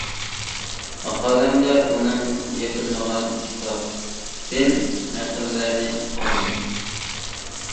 ماقالەمدە ئۇنىڭ «يېپىلمىغان كىتاب» دىن نەقىللەرنى ئالدىم.